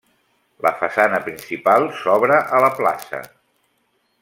La façana principal s'obre a la plaça.